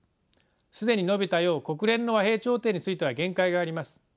既に述べたよう国連の和平調停については限界があります。